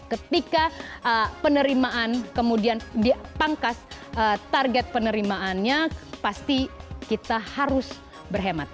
ketika penerimaan kemudian dipangkas target penerimaannya pasti kita harus berhemat